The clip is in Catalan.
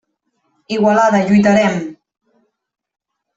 Igualada, lluitarem!